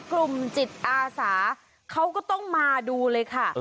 กลุ่มจิตอาสาเขาก็ต้องมาดูเลยค่ะ